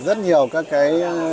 rất nhiều các cái